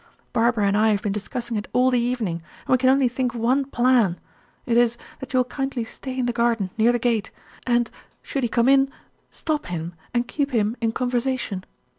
Barbara and I have been discussing it all the evening, and we can only think of one plan; it is, that you will kindly stay in the garden, near the gate; and, should he come in, stop him, and keep him in conversation.